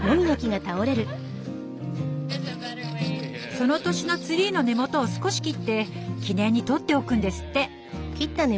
その年のツリーの根元を少し切って記念に取っておくんですって。